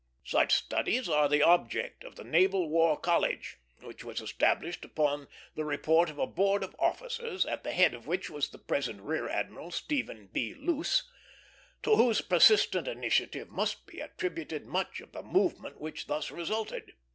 Such studies are the object of the Naval War College, which was established upon the report of a board of officers, at the head of which was the present Rear Admiral Stephen B. Luce, to whose persistent initiative must be attributed much of the movement which thus resulted.